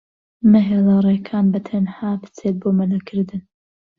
مەهێڵە ڕێکان بەتەنها بچێت بۆ مەلەکردن.